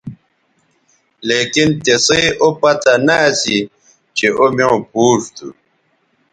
لیکن تسئ او پتہ نہ اسی چہء او میوں پوچ تھو